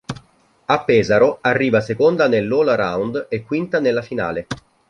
A Pesaro arriva seconda nell'all-around e quinta nella finale.